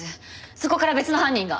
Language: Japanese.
そこから別の犯人が。